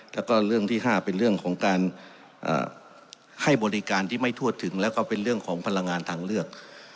แล้วก็เรื่องที่๕เป็นเรื่องของการให้บริการที่ไม่ทั่วถึงแล้วก็เป็นเรื่องของพลังงานทางเลือก